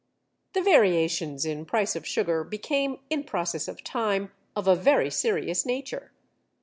The variations in price of sugar became in process of time of a very serious nature.